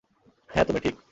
হ্যাঁ, তুমি ঠিক।